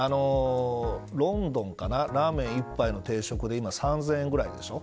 ロンドンかなラーメン１杯の定食で今、３０００円ぐらいでしょ。